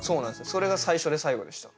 それが最初で最後でした。